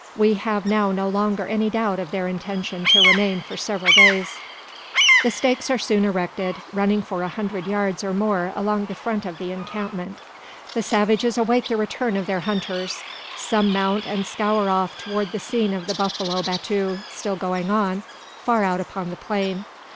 We have now no longer any doubt of their intention to remain for several days. The stakes are soon erected, running for a hundred yards or more along the front of the encampment. The savages await the return of their hunters. Some mount and scour off toward the scene of the buffalo battue, still going on, far out upon the plain.